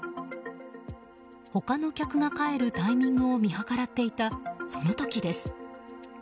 他の客が帰るタイミングを見計らっていたその時です。